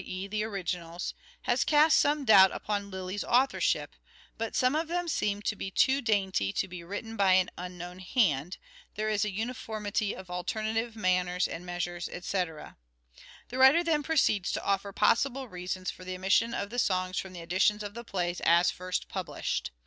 e. the originals) has cast some doubt upon Lyly's authorship : but some of them seem too dainty to be written by an unknown hand, there is a uniformity of alternative manners and measures etc." The writer then proceeds to offer possible reasons for the omission of the songs from the editions of the plays as first published.